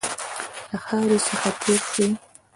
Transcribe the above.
له خاوري څخه تېر شي.